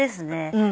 うん。